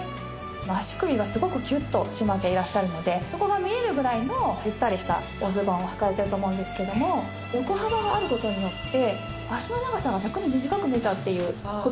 足首がすごくキュッと締まっていらっしゃるのでそこが見えるぐらいのゆったりしたおズボンをはかれていると思うんですけども横幅がある事によって脚の長さが逆に短く見えちゃうっていう事になっちゃうんです。